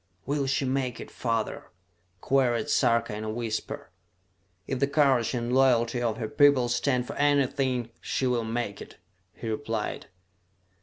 "Will she make it, father?" queried Sarka in a whisper. "If the courage and loyalty of her people stand for anything, she will make it," he replied.